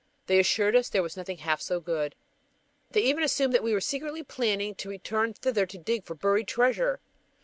They assured us there was nothing half so good. They even assumed that we were secretly planning to return thither to dig for buried treasure!